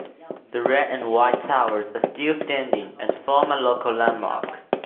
The red-and-white towers are still standing and form a local landmark.